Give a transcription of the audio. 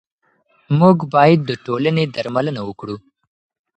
موږ باید د ټولنې درملنه وکړو.